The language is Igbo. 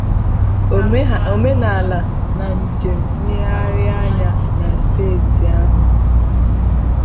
omenala na njem nlegharịanya na steeti ahụ